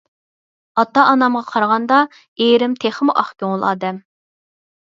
ئاتا - ئانامغا قارىغاندا ئېرىم تېخىمۇ ئاق كۆڭۈل ئادەم.